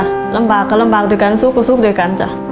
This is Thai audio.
น่ากินจ้ะลำบากก็ลำบากด้วยกันสู้ก็สู้ก็สู้กันด้วยกันจ้ะ